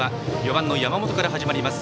４番の山本から始まります